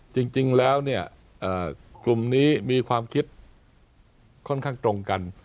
จริงแล้วเนี่ยกลุ่มนี้มีความคิดค่อนข้างตรงกัน